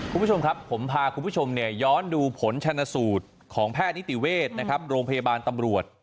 คุณผู้ชมครับผมพาคุณผู้ชมย้อนดูผลชนสูตรของแพทย์นิติเวศนะครับโรงพยาบาลตำรวจ